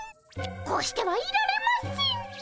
こうしてはいられません。